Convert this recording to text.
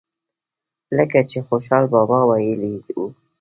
لکه چې خوشحال بابا وئيلي وو۔